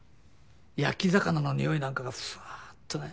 焼き魚の匂いなんかがふわっとね。